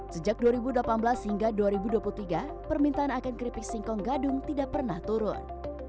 sejak dua ribu delapan belas hingga dua ribu dua puluh tiga permintaan akan keripik singkong gadung tidak pernah turun